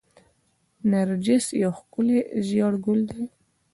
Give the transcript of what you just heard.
نرجس یو ښکلی ژیړ ګل دی